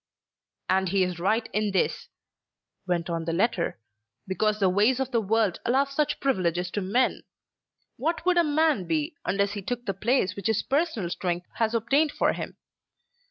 "And he is right in this," went on the letter, "because the ways of the world allow such privileges to men. What would a man be unless he took the place which his personal strength has obtained for him?